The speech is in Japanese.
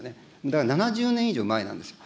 だから７０年以上前なんですよ。